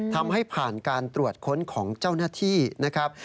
ทำให้ผ่านการตรวจค้นของเจ้าหน้าที่นะครับ